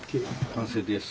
完成です。